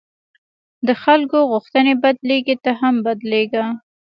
د خلکو غوښتنې بدلېږي، ته هم بدلېږه.